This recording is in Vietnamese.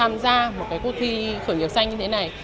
tham gia một cuộc thi khởi nghiệp xanh như thế này